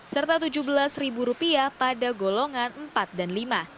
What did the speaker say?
serta rp tujuh belas pada golongan empat dan lima